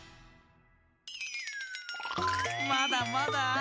まだまだ。